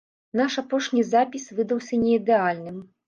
Наш апошні запіс выдаўся не ідэальным.